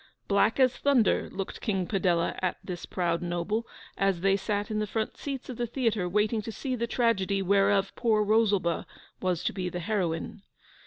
Black as thunder looked King Padella at this proud noble, as they sat in the front seats of the theatre waiting to see the tragedy whereof poor Rosalba was to be the heroine.